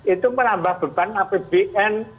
itu menambah beban apbn